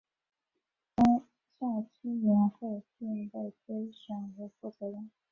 参加该校青年会并被推选为负责人。